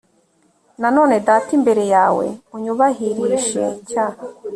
na none data imbere yawe unyubahirishe cya